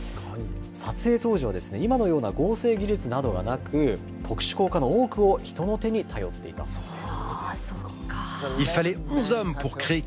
撮影当時は今のような合成技術はなく、特殊効果の多くを人の手に頼っていたそうです。